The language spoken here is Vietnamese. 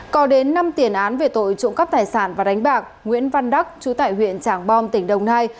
có đến năm tiền án về tội trộm cắp tài sản và đánh bạc nguyễn văn đắc chú tại huyện trảng bom tỉnh đồng nai